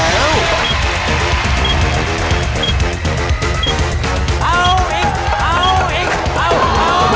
เอาอีกเอาอีกเอาเอา